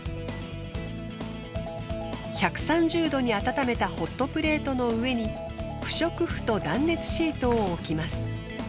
１３０度に温めたホットプレートの上に不織布と断熱シートを置きます。